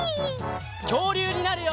きょうりゅうになるよ！